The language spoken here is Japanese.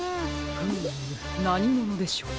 フームなにものでしょう。